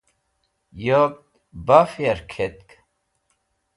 yot baf yark k̃hetk